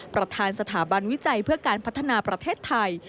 ประธานสถาบันวิจัยเพื่อการพัฒนาประเทศไทย